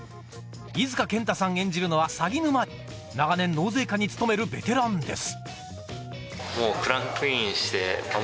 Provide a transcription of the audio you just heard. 猪塚健太さん演じるのは鷺沼長年納税課に勤めるベテランです